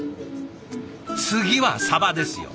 次はサバですよ。